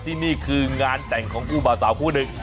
ที่นี่คืองานแต่งของคู่บ่าวสาวคู่หนึ่ง